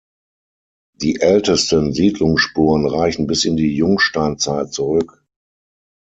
Die ältesten Siedlungsspuren reichen bis in die Jungsteinzeit zurück.